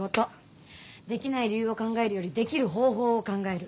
できない理由を考えるよりできる方法を考える。